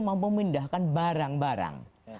mampu memindahkan barang barang